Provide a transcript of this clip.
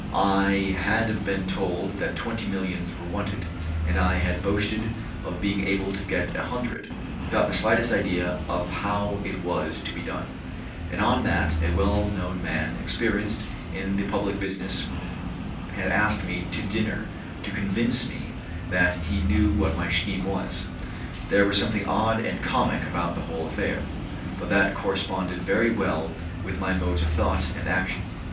I had been told that twenty millions were wanted, and I had boasted of being able to get a hundred, without the slightest idea of how it was to be done; and on that a well known man experienced in the public business had asked me to dinner to convince me that he knew what my scheme was. There was something odd and comic about the whole affair; but that corresponded very well with my modes of thought and action.